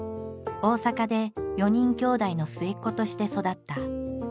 大阪で４人兄弟の末っ子として育った。